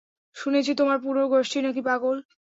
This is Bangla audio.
শুনেছি তোমার পুরো গোষ্ঠীই নাকি পাগল?